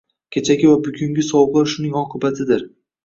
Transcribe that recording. Kechagi va bugungi sovuqlar shuning oqibatidir.